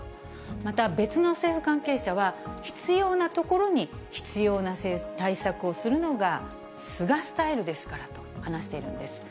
また別の政府関係者は、必要な所に必要な対策をするのが菅スタイルですからと話しているんです。